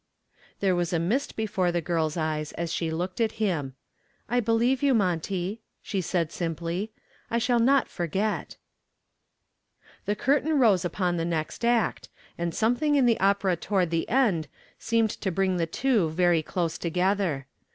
There was a mist before the girl's eyes as she looked at him. "I believe you, Monty," she said simply; "I shall not forget." The curtain rose upon the next act, and something in the opera toward the end seemed to bring the two very close together.